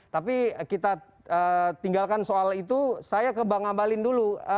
tapi kita tinggalkan soal itu saya ke bang abalin dulu